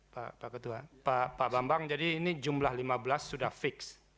pak ketua pak bambang jadi ini jumlah lima belas sudah fix